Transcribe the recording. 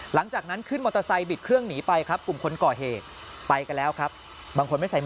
หลังจากนั้นขึ้นมอเตอร์ไซค์บิดเครื่องหนีไปครับ